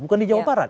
bukan di jawa barat